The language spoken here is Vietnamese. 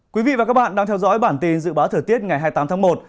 quý vị và các bạn đang theo dõi bản tin dự báo thời tiết ngày hai mươi tám tháng một